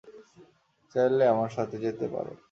চাইলে আমার সাথে যেতে পারো।